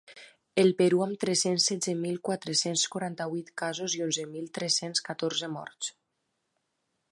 El Perú: amb tres-cents setze mil quatre-cents quaranta-vuit casos i onzen mil tres-cents catorze morts.